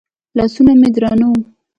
لاسونه مې درانه وو.